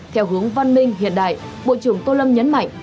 theo hướng văn minh hiện đại bộ trưởng tô lâm nhấn mạnh